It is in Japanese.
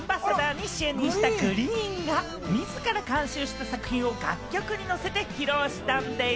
オープニングショーではアンバサダーに就任したＧＲｅｅｅｅＮが自ら監修した作品を楽曲に乗せて披露したんでぃす。